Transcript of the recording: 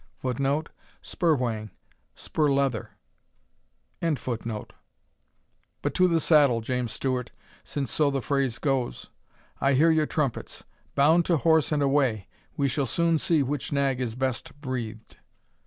[Footnote: Spur whang Spur leather.] But to the saddle, James Stewart, since so the phrase goes. I hear your trumpets. Bound to horse and away we shall soon see which nag is best breathed."